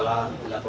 karena kita tahu